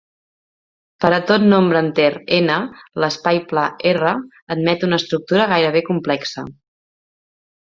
Per a tot nombre enter n, l'espai pla R admet una estructura gairebé complexa.